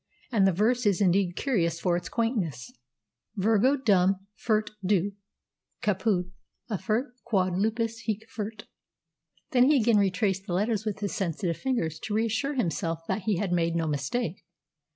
And the verse is indeed curious for its quaintness:" + VIRGO . DEUM . FERT . DUX . CAPUD . AUFERT . QUOD . LUPUS . HIC . FERT + Then he again retraced the letters with his sensitive fingers to reassure himself that he had made no mistake.